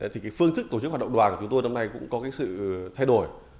thì phương thức tổ chức hoạt động đoàn của chúng tôi năm nay cũng có sự thay đổi